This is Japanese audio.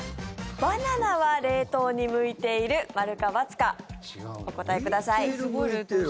バナナは冷凍に向いている〇か×かお答えください。